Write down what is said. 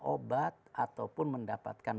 obat ataupun mendapatkan